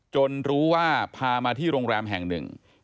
รู้ว่าพามาที่โรงแรมแห่งหนึ่ง